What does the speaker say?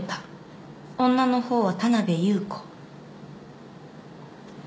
女の方は田辺由布子。